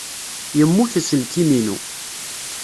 Yemmut uselkim-inu.